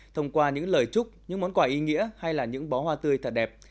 thông qua những lời chúc những món quà ý nghĩa hay là những bó hoa tươi thật đẹp